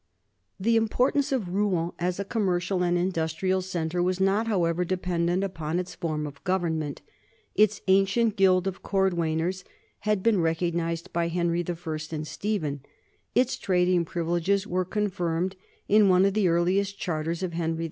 The importance of Rouen as a commercial and indus trial centre was not, however, dependent upon its form of government. Its ancient gild of cordwainers had been recognized by Henry I and Stephen, its trading privi leges were confirmed in one of the earliest charters of Henry II.